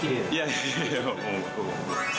いやいやもう。